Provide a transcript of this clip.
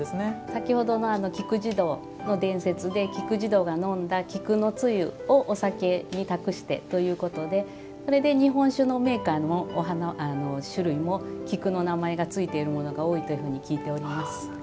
先ほどの菊慈童の伝説で菊慈童が飲んだ菊の露をお酒に託してということでそれで日本酒のメーカーの種類も菊の名前がついているものが多いと聞いております。